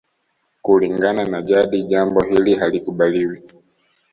Kulingana na jadi jambo hili halikubaliwi